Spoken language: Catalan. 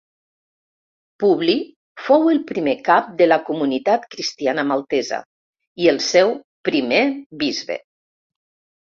Publi fou el primer cap de la comunitat cristiana maltesa, i el seu primer bisbe.